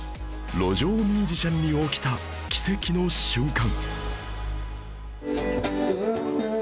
路上ミュージシャンに起きた奇跡の瞬間